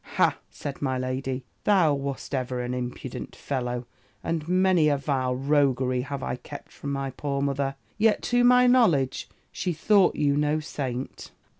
"Ha!" said my lady, "thou wast ever an impudent fellow: and many a vile roguery have I kept from my poor mother. Yet, to my knowledge, she thought you no saint."